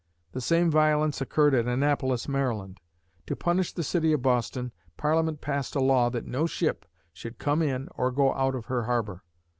The same violence occurred at Annapolis, Maryland. To punish the city of Boston, Parliament passed a law that no ship should come in or go out of her harbor.